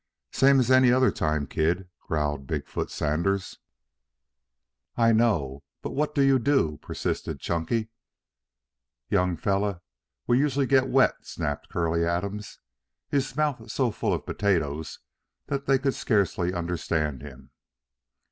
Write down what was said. "Same as any other time, kid," growled Big foot Sanders. "I know; but what do you do?" persisted Chunky. "Young feller, we usually git wet," snapped Curley Adams, his mouth so full of potatoes that they could scarcely understand him.